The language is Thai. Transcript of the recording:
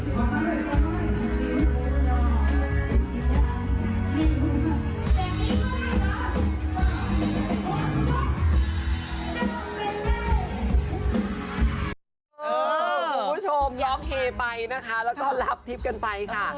ผมผู้ชมน้องเค๖๕๓ไปนะคะแล้วก็รับทิพย์กันไปค่ะ